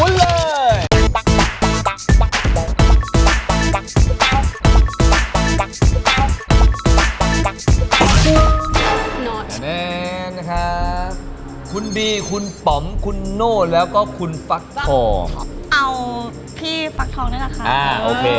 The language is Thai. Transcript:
เลือกคุณฟักธองแล้วคุณฟักธองแนะนำตัวครับ